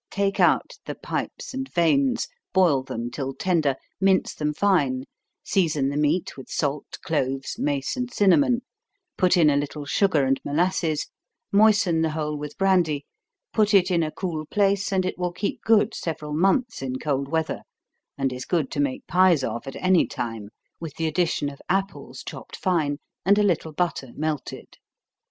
Take out the pipes and veins, boil them till tender, mince them fine, season the meat with salt, cloves, mace, and cinnamon, put in a little sugar and molasses, moisten the whole with brandy, put it in a cool place, and it will keep good several months in cold weather, and is good to make pies of at any time, with the addition of apples chopped fine, and a little butter melted.